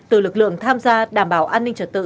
từ lực lượng tham gia đảm bảo an ninh trật tự